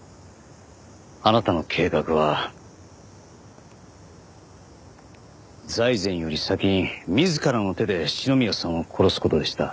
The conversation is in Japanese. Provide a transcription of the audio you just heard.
あなたの計画は財前より先に自らの手で篠宮さんを殺す事でした。